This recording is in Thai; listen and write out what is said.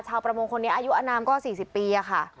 ชาวโปรมงคล์เลยอายุอนามก็๔๐ปี